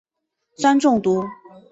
酸中毒。